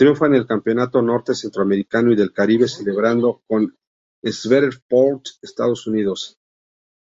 Triunfa en el Campeonato Norte Centroamericano y del Caribe celebrado en Shreveport, Estados Unidos.